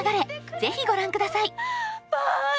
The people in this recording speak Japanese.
ぜひご覧ください。